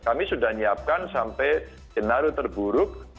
kami sudah menyiapkan sampai jenaru terburuk